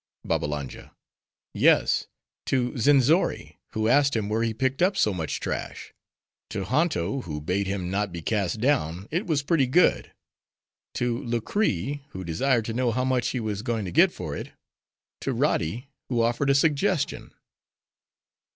BABBALANJA—Yes, to Zenzori; who asked him where he picked up so much trash; to Hanto, who bade him not be cast down, it was pretty good; to Lucree, who desired to know how much he was going to get for it; to Roddi, who offered a suggestion.